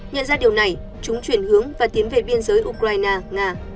nhận ra điều này chúng chuyển hướng và tiến về biên giới ukraine nga